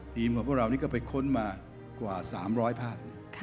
ของพวกเรานี่ก็ไปค้นมากว่า๓๐๐ภาพ